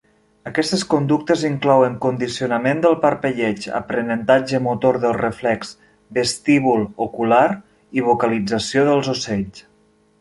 Aquestes conductes inclouen condicionament del parpelleig, aprenentatge motor del reflex vestíbul-ocular i vocalització dels ocells.